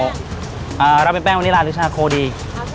กะเพราเอ่อรับเป็นแป้งวานิลาหรือชาโคดี